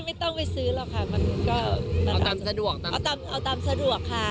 ไม่ต้องไปซื้อหรอกค่ะเอาตามสะดวกค่ะ